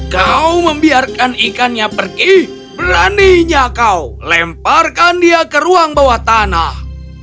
kau membiarkan ikannya pergi beraninya kau lemparkan dia ke ruang bawah tanah